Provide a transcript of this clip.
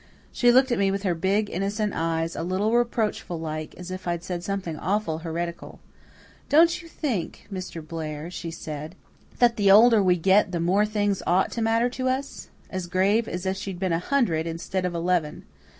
She looked at me with her big, innocent eyes, a little reproachful like, as if I'd said something awful heretical. 'Don't you think, Mr. Blair,' she says, 'that the older we get the more things ought to matter to us?' as grave as if she'd been a hundred instead of eleven.